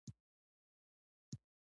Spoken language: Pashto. بوټونه د ښوونځي دروازې کې ایستل کېږي.